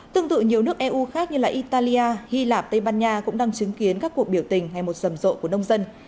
tương tự nhiều nước eu khác như italia hy lạp tây ban nha cũng đang chứng kiến các cuộc biểu tình hay một rầm rộ của nông dân